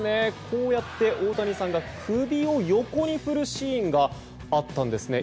こうやって大谷さんが首を横に振るシーンがあったんですね。